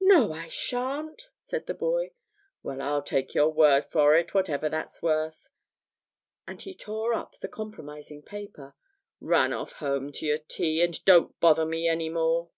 'No, I shan't,' said the boy. 'Well, I'll take your word for it, whatever that's worth,' and he tore up the compromising paper. 'Run off home to your tea, and don't bother me any more.'